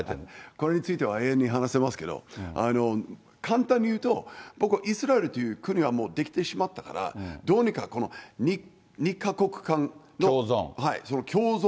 それについては永遠に話せますけど、簡単に言うと、僕、イスラエルという国が出来てしまったから、どうにかこの２か国間の。共存。